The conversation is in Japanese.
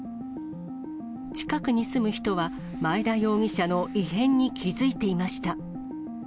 近くに住む人は、前田容疑者の異変に気付いていました。